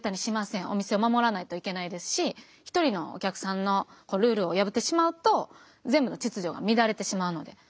お店を守らないといけないですし一人のお客さんのルールを破ってしまうと全部の秩序が乱れてしまうので。